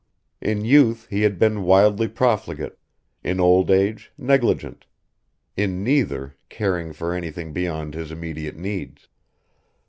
In youth he had been wildly profligate, in old age negligent, in neither caring for anything beyond his immediate needs.